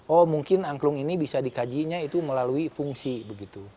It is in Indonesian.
oh mungkin angklung ini bisa dikajinya itu melalui fungsi begitu